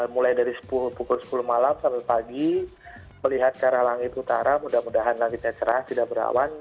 mulai dari pukul sepuluh malam sampai pagi melihat ke arah langit utara mudah mudahan langitnya cerah tidak berawan